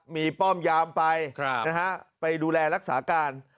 มีป้อมยามไปไปดูแลรักษาการ